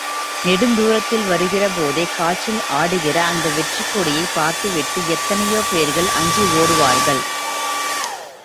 நெடுந்துரத்தில் வருகிறபோதே காற்றில் ஆடுகிற அந்த வெற்றிக் கொடியைப் பார்த்துவிட்டு எத்தனையோ பேர்கள் அஞ்சி ஒடுவார்கள்.